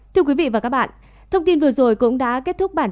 thưa quý vị và các bạn